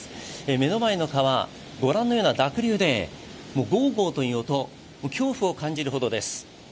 目の前の川、ご覧のような濁流でゴーゴーという音、もう恐怖を感じるほどです。